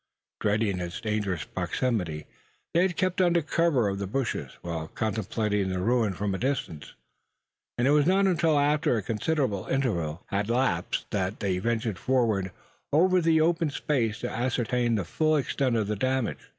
Dreading its dangerous proximity, they had kept under cover of the bushes while contemplating the ruin from a distance; and it was not until after a considerable interval had elapsed that they ventured forward over the open space to ascertain the full extent of the damage.